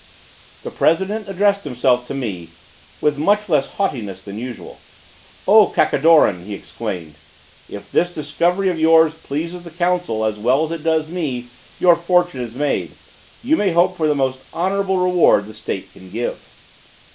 The president addressed himself to me with much less haughtiness than usual. "O Kakidoran!" he exclaimed, "if this discovery of yours pleases the Council as well as it does me, your fortune is made. You may hope for the most honorable reward the State can give."